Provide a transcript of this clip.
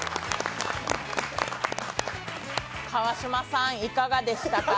川島さん、いかがでしたか？